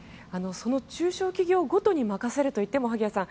中小企業ごとに任せるといっても萩谷さん